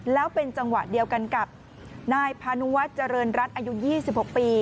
แล้วเป็นจังหวะเดียวกันกับนายพานุวัฒน์เจริญรัฐอายุ๒๖ปี